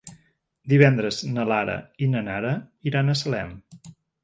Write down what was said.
Divendres na Lara i na Nara iran a Salem.